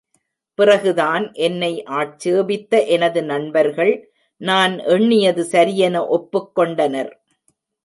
பிறகுதான் என்னை ஆட்சேபித்த எனது நண்பர்கள், நான் எண்ணியது சரியென ஒப்புக்கொண் டனர்.